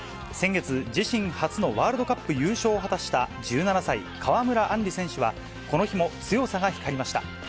先月、自身初のワールドカップ優勝を果たした１７歳、川村あんり選手は、この日も強さが光りました。